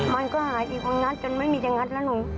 มันก็หายอีกมันงัดจนไม่มีจะงัดแล้วหนู